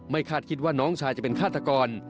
คาดคิดว่าน้องชายจะเป็นฆาตกร